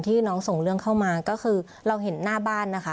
น้องส่งเรื่องเข้ามาก็คือเราเห็นหน้าบ้านนะคะ